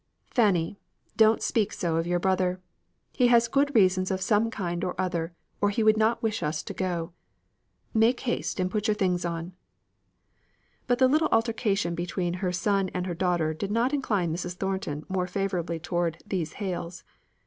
"Fanny, don't speak so of your brother. He has good reasons of some kind or other, or he would not wish us to go. Make haste and put your things on." But the little altercation between her son and her daughter did not incline Mrs. Thornton more favourably towards "these Hales."